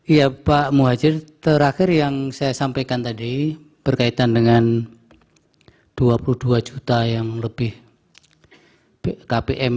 iya pak muhajir terakhir yang saya sampaikan tadi berkaitan dengan dua puluh dua juta yang lebih kpm